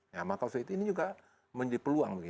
ya maka ini juga menjadi peluang